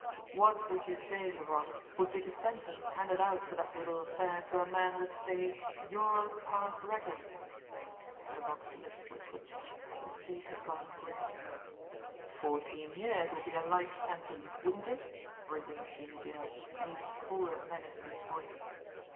What would you say, Laroque, would be the sentence handed out for that little affair to a man with, say, your past record?" Laroque's lips were twitching; his face had gone gray. "Fourteen years would be a light sentence, wouldn't it?" resumed Jimmie Dale, an even colder menace in his voice.